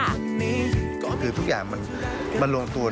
ยังมีอีกคู่ที่หลายคนออกอาการอึ้งไม่น้อย